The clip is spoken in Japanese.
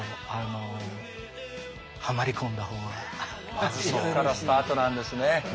まずそこからスタートなんですね。